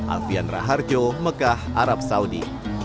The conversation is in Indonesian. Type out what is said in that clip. alfian raharjo mekah arab saudi